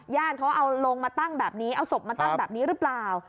ญาติเขาเอาลงมาตั้งแบบนี้เอาศพมาตั้งแบบนี้หรือเปล่า